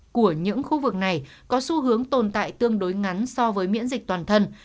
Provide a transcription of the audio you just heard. của những khu vực này có xu hướng tồn tại tương đối ngắn so với miễn dịch toàn thân